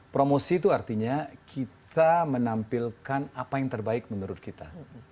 promosi itu artinya kita menampilkan apa yang terbaik menurut kita